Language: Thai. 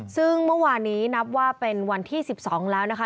ซึ่งเมื่อวานนี้นับว่าเป็นวันที่๑๒แล้วนะคะ